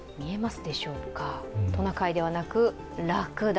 トナカイではなくらくだ。